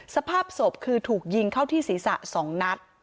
สภาพศพคือถูกยิงเข้าที่ศีรษะ๒นัด